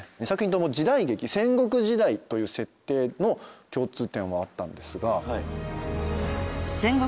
２作品とも時代劇戦国時代という設定の共通点はあったんですが。